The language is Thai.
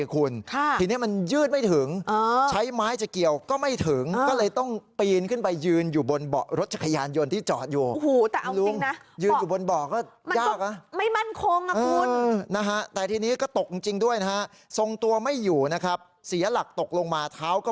คุณลุงเนี่ยเล่าให้ฟังบอกว่าโห